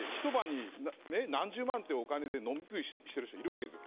だって、一晩に何十万というお金で飲み食いしている人がいます。